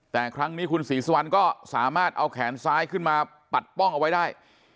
แต่ครั้งนี้คุณศรีสุวรรณก็สามารถเอาแขนซ้ายขึ้นมาปัดป้องเอาไว้ได้